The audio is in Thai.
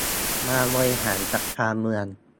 มาบริหารจัดการเมือง